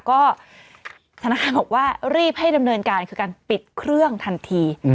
ก็ธนาคารบอกว่ารีบให้ดำเนินการคือการปิดเครื่องทันที